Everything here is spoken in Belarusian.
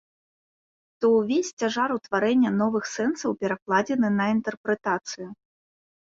То ўвесь цяжар утварэння новых сэнсаў перакладзены на інтэрпрэтацыю.